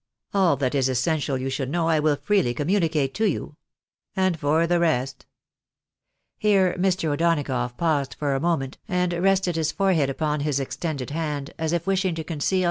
All that is essential you should know I will freely communicate to you. And for the rest " Here Mr. O'Donagough paused for a moment, and rested his forehead upon his extended hand, as if wishing to conceal som.